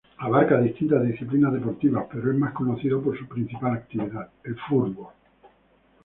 Abarca distintas disciplinas deportivas, pero es más conocido por su principal actividad, el fútbol.